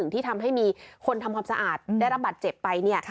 ที่ทำให้มีคนทำความสะอาดได้รับบัตรเจ็บไป